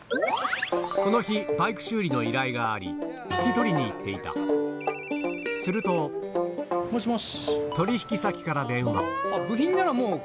この日バイク修理の依頼があり引き取りに行っていたするともしもし。